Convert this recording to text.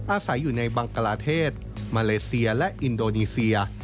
อาศัยอยู่ในบังกลาเทศมาเลเซียและอินโดนีเซีย